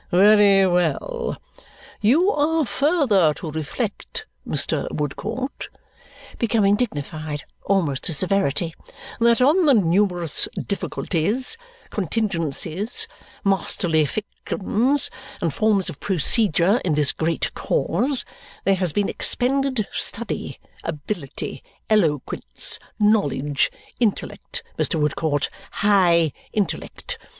"Very well! You are further to reflect, Mr. Woodcourt," becoming dignified almost to severity, "that on the numerous difficulties, contingencies, masterly fictions, and forms of procedure in this great cause, there has been expended study, ability, eloquence, knowledge, intellect, Mr. Woodcourt, high intellect.